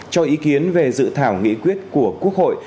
cho ý kiến về dự thảo nghị quyết của quốc hội